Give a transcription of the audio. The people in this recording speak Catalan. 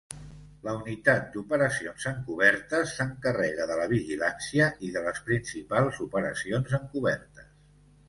La Unitat d'Operacions Encobertes s'encarrega de la vigilància i de les principals operacions encobertes.